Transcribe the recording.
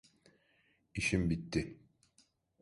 İşim bitti.